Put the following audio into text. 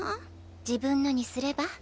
自分のにすれば？